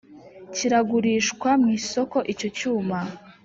kiragurishwa mu isoko icyo cyuma